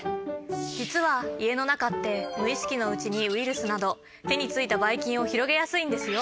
実は家の中って無意識のうちにウイルスなど手についたバイ菌を広げやすいんですよ。